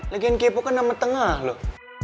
lagian kepo kan sama tengah loh